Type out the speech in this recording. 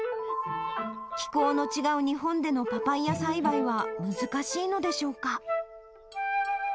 気候の違う日本でのパパイヤ栽培は難しいのでしょうか。